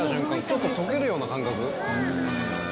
ちょっと溶けるような感覚？